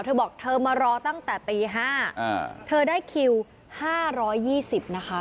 เธอบอกเธอมารอตั้งแต่ตี๕เธอได้คิว๕๒๐นะคะ